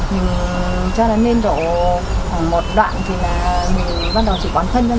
mình cho nó lên độ khoảng một đoạn thì mình bắt đầu chỉ quán phân